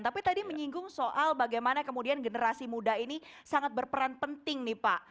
tapi tadi menyinggung soal bagaimana kemudian generasi muda ini sangat berperan penting nih pak